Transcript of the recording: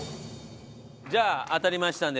じゃあ当たりましたんで